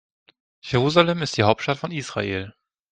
Jerusalem ist die Hauptstadt von Israel.